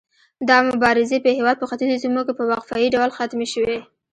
دا مبارزې په هیواد په ختیځو سیمو کې په وقفه يي ډول ختمې شوې.